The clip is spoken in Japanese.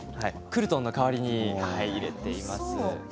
クルトンの代わりに入れています。